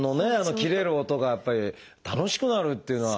切れる音がやっぱり楽しくなるっていうのは。